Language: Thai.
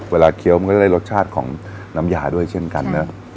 เคี้ยวมันก็ได้รสชาติของน้ำยาด้วยเช่นกันเนอะ